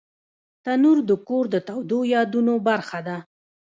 تنور د کور د تودو یادونو برخه ده